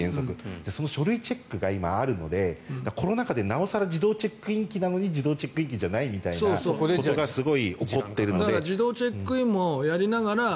その書類チェックが今あるのでコロナ禍で、なお更自動チェックイン機なのに自動チェックイン機じゃないみたいなことがすごく起こっているので。